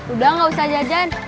udah nggak usah jajan